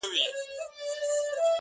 اوس مي د سپين قلم زهره چاودلې،